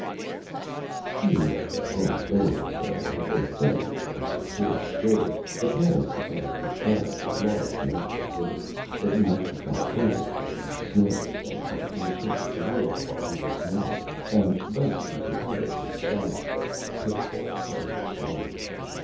[Illustration: JOSEPH] Seeing that the Home Training Experiment had been a Failure in the case of Joseph, the Parents decided to give Clarence a large Measure of Liberty, that he might become Acquainted with the Snares and Temptations of the World while he was Young, and thus be Prepared to side step the Pitfalls when he was Older.